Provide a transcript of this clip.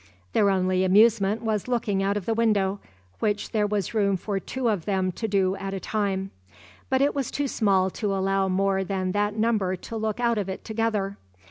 Their only amusement was looking out of the window, which there was room for two of them to do at a time; but it was too small to allow more than that number to look out of it together.